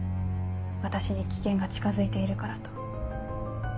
私に危険が近づいているからと。